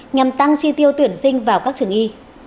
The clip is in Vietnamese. nhằm tăng chi tiêu tuyển sinh vào các trường y